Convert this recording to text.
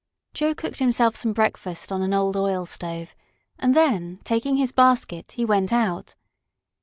Joe cooked himself some breakfast on an old oil stove, and then, taking his basket, he went out.